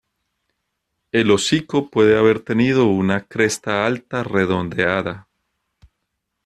El hocico puede haber tenido una cresta alta redondeada.